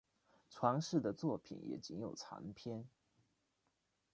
传世的作品也仅有残篇。